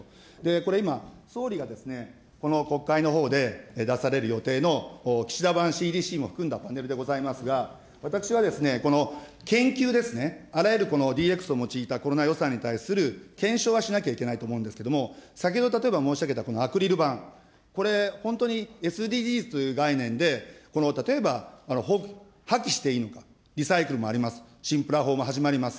これ今、総理がですね、この国会のほうで、出される予定の岸田版ＣＤＣも含んだパネルでございますが、私はこの研究ですね、あらゆるＤＸを用いたコロナ予算に対する、検証はしなきゃいけないと思うんですけど、先ほど、例えば申し上げたアクリル板、これ、本当にＳＤＧｓという概念で、例えば破棄していいのか、リサイクルもあります、新プラ法も始まります。